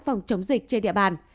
phòng chống dịch trên địa bàn